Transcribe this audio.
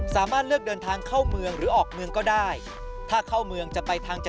สามารถเลือกเดินทางเข้าเมืองหรือออกเมืองก็ได้ถ้าเข้าเมืองจะไปทางจะ